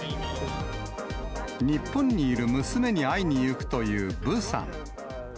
日本にいる娘に会いに行くというブさん。